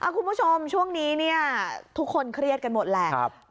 คุณผู้ชมช่วงนี้เนี่ยทุกคนเครียดกันหมดแหละ